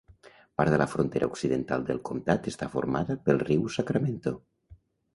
Part de la frontera occidental del comtat està formada pel riu Sacramento.